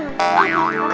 akan datang pakai nubes